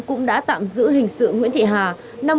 cũng đã tạm giữ hình sự nguyễn thị hà